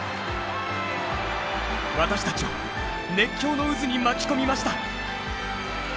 私たちを熱狂の渦に巻き込みました！